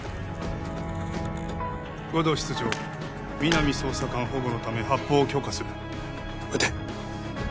護道室長皆実捜査官保護のため発砲を許可する撃て！